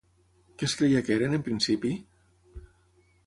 Què es creia que eren, en principi?